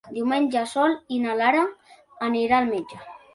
Diumenge en Sol i na Lara aniran al metge.